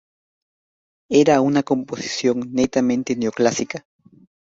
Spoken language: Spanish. Era una composición netamente neoclásica.